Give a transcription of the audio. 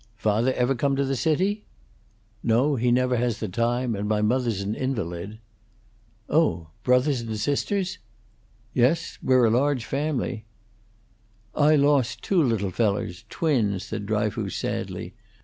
"Father ever come to the city?" "No; he never has the time; and my mother's an invalid." "Oh! Brothers and sisters?" "Yes; we're a large family." "I lost two little fellers twins," said Dryfoos, sadly.